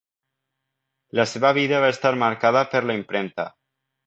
La seva vida va estar marcada per la impremta.